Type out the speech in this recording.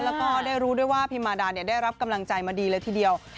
แล้วก็ได้รู้ด้วยว่าพิมมาดาได้รับกำลังใจมาดีเลยทีเดียว